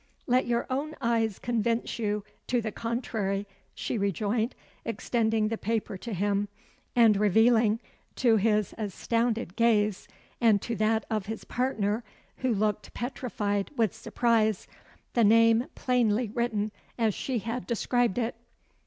"Let your own eyes convince you to the contrary," she rejoined, extending the paper to him and revealing to his astounded gaze and to that of his partner, who looked petrified with surprise, the name plainly written as she had described it.